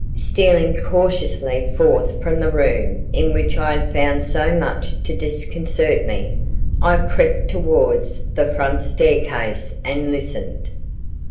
Stealing cautiously forth from the room in which I had found so much to disconcert me, I crept towards the front staircase and listened.